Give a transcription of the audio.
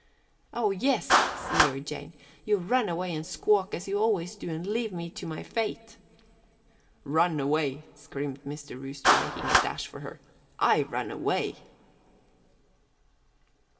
"Oh, yes," sneered Jane, "you'll run away and squawk as you always do, and leave me to my fate." "Run away," screamed Mr. Rooster making a dash for her, "I run away!"